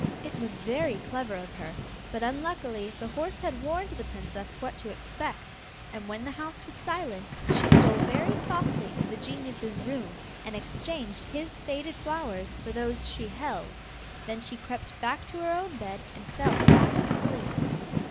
It was very clever of her, but unluckily the horse had warned the princess what to expect, and when the house was silent, she stole very softly to the genius's room, and exchanged his faded flowers for those she held. Then she crept back to her own bed and fell fast asleep.